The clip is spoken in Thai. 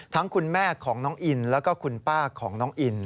ทั้งคุณแม่ของน้องอิ๊นและคุณเป้าของน้องอิ๊น